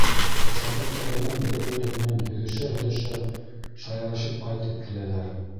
Шатлыҡтарынан бер-береһе менән һөҙөшә-һөҙөшә шаярышып ҡайтып киләләр.